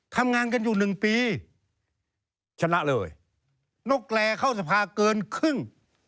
ทำงานกันอยู่๑ปีนกแร่เข้าสภาเกินครึ่ง๖๐๗๐